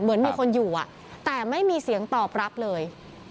เหมือนมีคนอยู่แต่ไม่มีเสียงตอบรับเลย